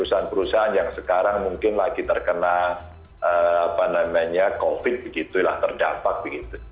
untuk perusahaan yang sekarang mungkin lagi terkena apa namanya covid begitulah terdampak begitu